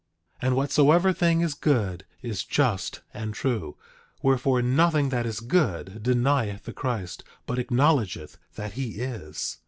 10:6 And whatsoever thing is good is just and true; wherefore, nothing that is good denieth the Christ, but acknowledgeth that he is.